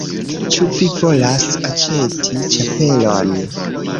Ĉu vi volas aĉeti ĉapelon?